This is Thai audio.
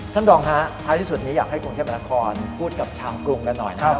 ท่านรองฮะท้ายที่สุดนี้อยากให้กรุงเทพมนาคมพูดกับชาวกรุงกันหน่อยนะครับ